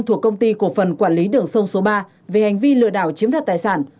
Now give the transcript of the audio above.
thuộc công ty cổ phần quản lý đường sông số ba về hành vi lừa đảo chiếm đoạt tài sản